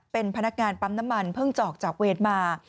เป็นพนักงานปั๊มน้ำมันเพิ่งออกจากเวรมา